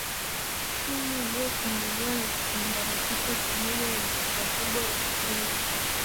Simu iliyofunguliwa na kusambaratishwa pamoja na chupa kubwa ya mvinyo